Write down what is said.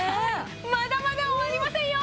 まだまだ終わりませんよ。